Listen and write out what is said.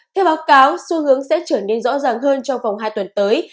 theo báo cáo xu hướng sẽ trở nên rõ ràng hơn trong vòng hai tuần tới